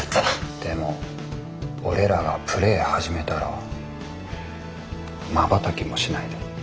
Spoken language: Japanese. でも俺らがプレー始めたらまばたきもしないで。